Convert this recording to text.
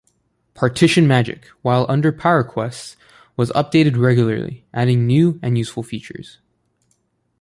PartitionMagic, while under PowerQuest, was updated regularly, adding new and useful features.